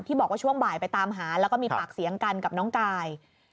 บอกว่าช่วงบ่ายไปตามหาแล้วก็มีปากเสียงกันกับน้องกาย